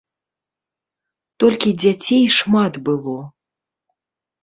Толькі дзяцей шмат было.